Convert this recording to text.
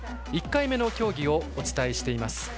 １回目の競技をお伝えしています。